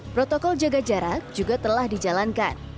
protokol jaga jarak juga telah dijalankan